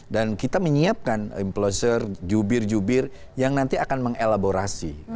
dan kita menyiapkan imploser jubir jubir yang nanti akan mengelaborasi